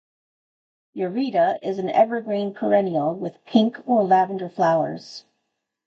Yareta is an evergreen perennial with pink or lavender flowers.